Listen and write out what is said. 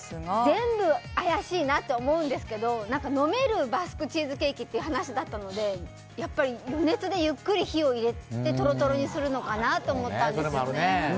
全部怪しいなって思うんですけど飲めるバスクチーズケーキっていう話だったのでやっぱり余熱でゆっくり火を入れてトロトロにするのかなって思ったんですよね。